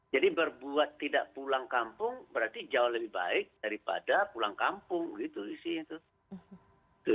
jadi berbuat tidak pulang kampung berarti jauh lebih baik daripada pulang kampung gitu sih